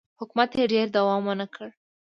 حکومت یې ډېر دوام ونه کړ.